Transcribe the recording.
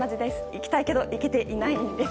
行きたいけど行けていないんです。